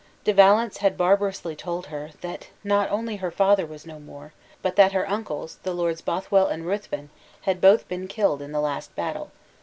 De Valence had barbarously told her that not only her father was no more, but that her uncles, the Lords Bothwell and Ruthven, had both been killed in the last battle.